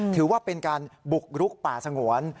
ถือว่าเป็นการบุกรุกป่าสงวน